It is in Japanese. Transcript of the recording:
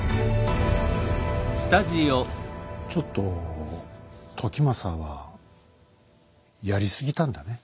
ちょっと時政はやり過ぎたんだね。